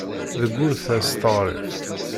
Deg wul ters teɣrit.